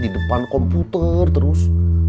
di depan komputer terus